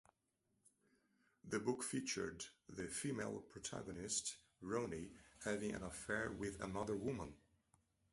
The book featured the female protagonist Ronny having an affair with another woman.